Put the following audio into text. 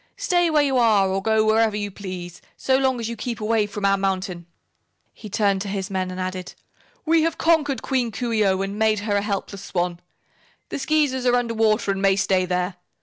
Stay where you are, or go wherever you please, so long as you keep away from our mountain." He turned to his men and added: "We have conquered Queen Coo ee oh and made her a helpless swan. The Skeezers are under water and may stay there.